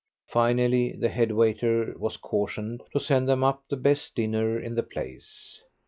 Finally, the head waiter was cautioned to send them up the best dinner in the place.